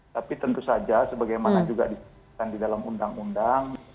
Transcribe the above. tapi tentu saja sebagaimana juga disebutkan di dalam undang undang